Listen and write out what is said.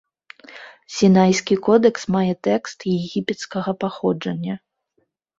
Сінайскі кодэкс мае тэкст егіпецкага паходжання.